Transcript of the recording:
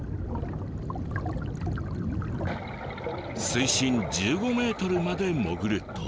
水深１５ｍまで潜ると。